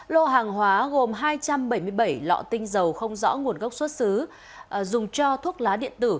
lô hàng hóa gồm hai trăm bảy mươi bảy lọ tinh dầu không rõ nguồn gốc xuất xứ dùng cho thuốc lá điện tử